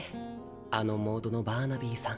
あのモードのバーナビーさん。